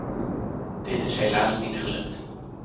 Dit is helaas niet gelukt.